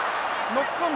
ノックオン。